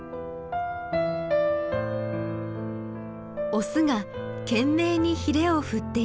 オスが懸命にひれを振っています。